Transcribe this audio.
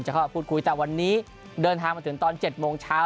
เข้ามาพูดคุยแต่วันนี้เดินทางมาถึงตอน๗โมงเช้า